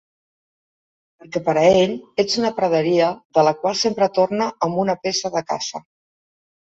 Perquè per a ell ets una praderia de la qual sempre torna amb una peça de caça.